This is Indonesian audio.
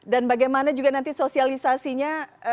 dan bagaimana juga nanti sosialisasinya